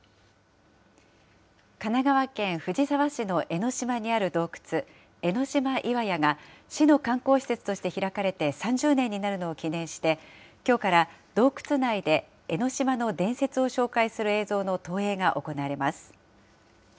神奈川県藤沢市の江の島にある洞窟、江の島岩屋が、市の観光施設として開かれて３０年になるのを記念して、きょうから洞窟内で江の島の伝説を紹介する映像の投影が行われます。